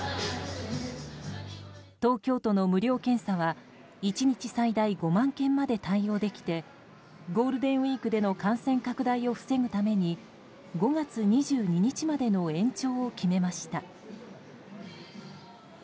東京都の無料検査は１日最大５万件まで対応できてゴールデンウィークでの感染拡大を防ぐために５月２２日までの延長を決めました。